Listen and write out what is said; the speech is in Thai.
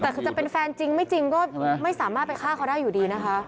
แต่คือจะเป็นแฟนจริงไม่จริงก็ไม่สามารถไปฆ่าเขาได้อยู่ดีนะคะ